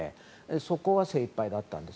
そこが精いっぱいだったんです。